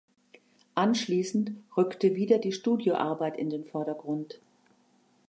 Anschließend rückte wieder die Studioarbeit in den Vordergrund.